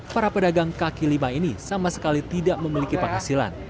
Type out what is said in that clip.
para pedagang kaki lima ini sama sekali tidak memiliki penghasilan